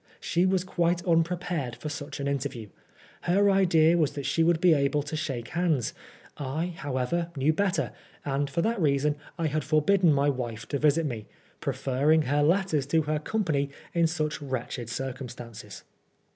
She was quite unprepared for such an interview. Her idea was that she would be able to shake hands ; I, however, knew better, and for that reason I had forbidden my wife to visit me, preferring her letters to her company in such wretched circumstances.